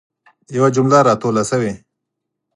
یوه جمله را توله سوي.